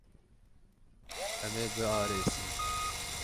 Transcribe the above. Em ê biarêsin.